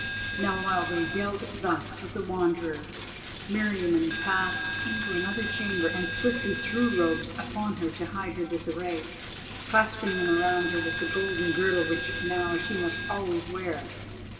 Now while they dealt thus with the Wanderer, Meriamun passed into another chamber and swiftly threw robes upon her to hide her disarray, clasping them round her with the golden girdle which now she must always wear.